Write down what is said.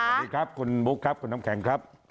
สวัสดีครับคุณบุ๊คครับคุณน้ำแข็งครับ